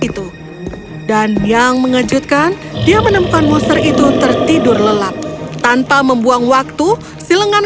itu dan yang mengejutkan dia menemukan monster itu tertidur lelap tanpa membuang waktu silengan